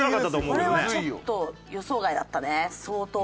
これはちょっと予想外だったね相当。